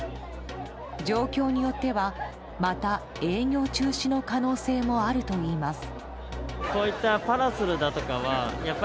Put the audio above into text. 状況によってはまた営業中止の可能性もあるといいます。